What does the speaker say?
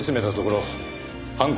犯行